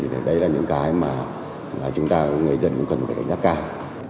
thì đây là những cái mà chúng ta người dân cũng cần phải đánh giá cao